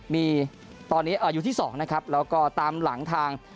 มีตอนนี้อายุที่๒นะครับแล้วก็ตามหลังทาง